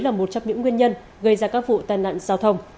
là một trong những nguyên nhân gây ra các vụ tai nạn giao thông